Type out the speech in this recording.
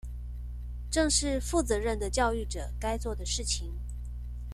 正是負責任的教育者該做的事情